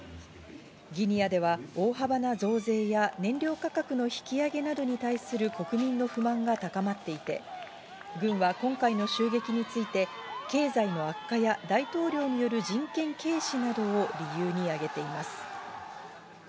ギニアでは大幅な増税や燃料価格の引き上げなどに対する国民の不満が高まっていて、軍は今回の襲撃について、経済の悪化や大統領による人権軽視などを理由に挙げています。